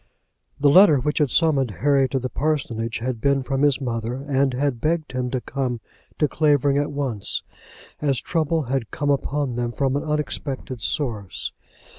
The letter which had summoned Harry to the parsonage had been from his mother, and had begged him to come to Clavering at once, as trouble had come upon them from an unexpected source.